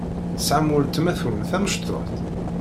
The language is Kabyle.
Tesɛam weltma-twen tamecṭuḥt?